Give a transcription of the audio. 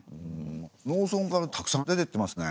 農村からたくさん出てってますね。